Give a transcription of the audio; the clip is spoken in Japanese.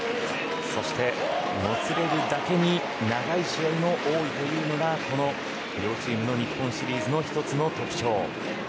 そして、もつれるだけに長い試合も多いというのがこの両チームの日本シリーズの一つの特徴。